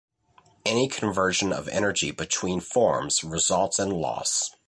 Any conversion of energy between forms results in loss.